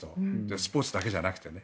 スポーツだけじゃなくてね。